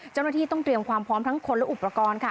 เจ้าหน้าที่ต้องเตรียมความพร้อมทั้งคนและอุปกรณ์ค่ะ